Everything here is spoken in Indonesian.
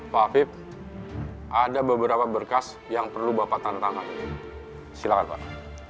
pak afif ada beberapa berkas yang perlu bapak tantangkan silahkan pak